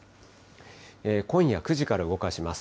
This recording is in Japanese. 今夜９時から動かします。